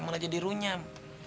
malah jadi runyam